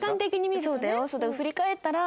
そうだよ。